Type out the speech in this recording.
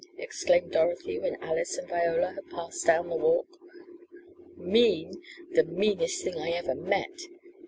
exclaimed Dorothy, when Alice and Viola had passed down the walk. "Mean! The meanest thing I ever met!